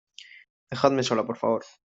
dejadme sola, por favor